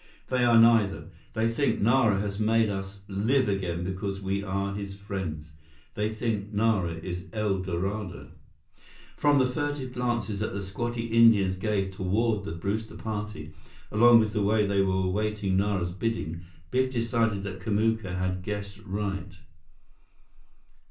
"They are neither. They think Nara has made us live again because we are his friends. They think Nara is El Dorado." From the furtive glances that the squatty Indians gave toward the Brewster party, along with the way they were awaiting Nara's bidding, Biff decided that Kamuka had guessed right.